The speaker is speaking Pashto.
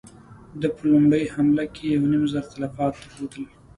ده په لومړۍ حمله کې يو نيم زر تلفات درلودل.